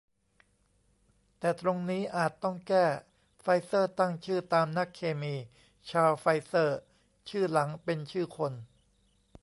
แต่ตรงนี้อาจต้องแก้ "ไฟเซอร์ตั้งชื่อตาม นักเคมี ชารล์ ไฟเซอร์" ชื่อหลังเป็นชื่อคน